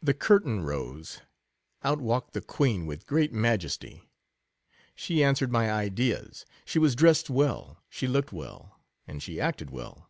The curtain rose — out walked the Queen with great majesty ; she answered my ideas — she was dressed well, she looked well, and she acted well.